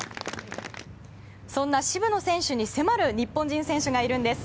そんな渋野選手に迫る日本人選手がいるんです。